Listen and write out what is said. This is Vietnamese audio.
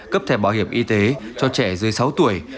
cấp thẻ bảo hiểm y tế cho trẻ dưới sáu tuổi